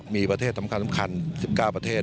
มีประเทศสำคัญประเทศ๑๙ประเทศ